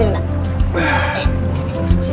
senang ya senang ya berenang ya